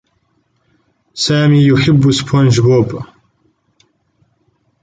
سامي يحبّ سبونجبوب.